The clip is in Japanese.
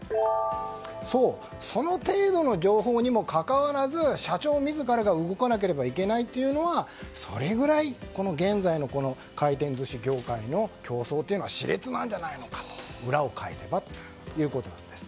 そう、その程度の情報にもかかわらず社長自らが動かなければいけないというのはそれぐらい現在の回転寿司業界の競争というのが熾烈なのではないかということです。